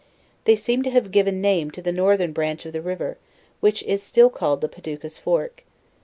They seem to have given name to the northern branch of the river, which is still called the Paducas Fork.